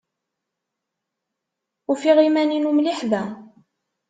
Ufiɣ iman-inu mliḥ da.